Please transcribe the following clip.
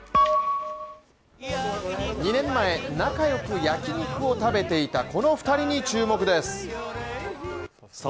２年前、仲良く焼き肉を食べていたこの２人に注目です。